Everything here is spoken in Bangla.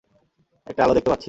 একটা আলো দেখতে পাচ্ছি।